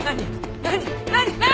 何？